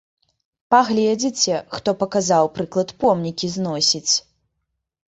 Пагледзіце, хто паказаў прыклад помнікі зносіць?